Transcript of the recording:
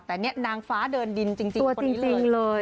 แต่นี่นางฟ้าเดินดินจริงตัวจริงเลย